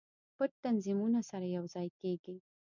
پټ تنظیمونه سره یو ځای کیږي.